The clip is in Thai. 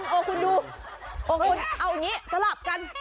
เอาคุณดูเอาอย่างนี้สลับกัน